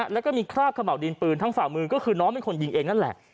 และก็มีคราบขระหม่อดีลปืนทั้งฝ่ามือก็คือน้องมีคนยิงเองนั่นแหละ